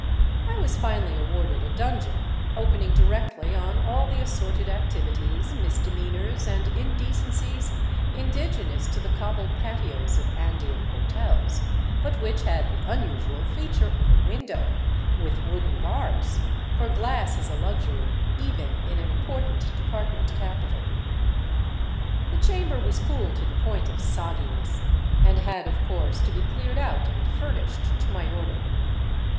I was finally awarded a dungeon opening directly on all the assorted activities, misdemeanors, and in decencies indigenous to the cobbled patios of Andean hotels, but which had the unusual feature of a window — with wooden bars, for glass is a luxury, even in an important department capital. The chamber was cool to the point of sogginess and had, of course, to be cleared out and furnished to my order.